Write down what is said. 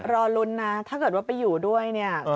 รอลุ้นนะถ้าเกิดว่าไปอยู่ด้วยเนี่ย